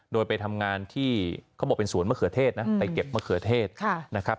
โดยไปทำงานที่เขาบอกเป็นสวนมะเขือเทศนะไปเก็บมะเขือเทศนะครับ